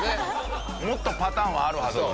もっとパターンはあるはずよね。